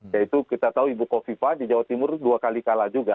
yaitu kita tahu ibu kofifa di jawa timur dua kali kalah juga